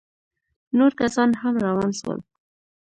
نور کسان هم روان سول.